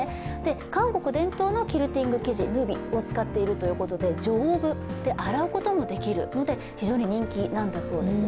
韓国伝統のキルティング生地ヌビを使っているということで、丈夫で、洗うこともできるので非常に人気なんだそうです。